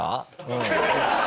うん。